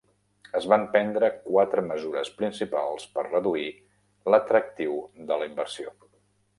Es van prendre quatre mesures principals per reduir l'atractiu de la inversió.